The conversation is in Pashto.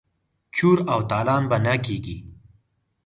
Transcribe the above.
چور او تالان به نه کیږي.